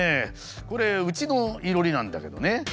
これうちの囲炉裏なんだけどね